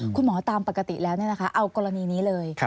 ตามปกติแล้วเอากรณีนี้เลย